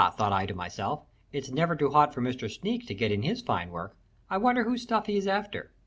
thought I to myself. "It's never too hot for Mr. Sneak to get in his fine work. I wonder whose stuff he is after?"